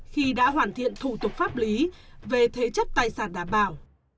khi đã hoàn thiện thủ tục pháp lý về thế chất tài sản đảm bảo